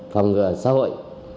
phòng ngừa xã hội